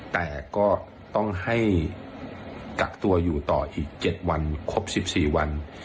แต่ก็ต้องให้กักตัวอยู่ต่ออีก๗วันครบ๑๔วัน